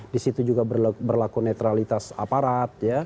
di situ juga berlaku netralitas aparat